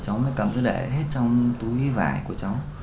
cháu mới cầm để hết trong túi vải của cháu